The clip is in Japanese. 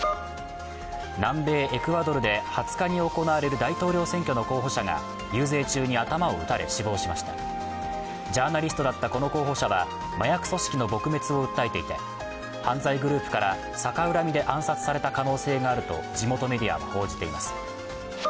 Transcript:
南米エクアドルで２０日に行われる大統領選挙の候補者が遊説中に頭を撃たれ、死亡しましたジャーナリストだったこの候補者は麻薬組織の撲滅を訴えていて犯罪グループから逆恨みで暗殺された可能性があると地元メディアは報じています。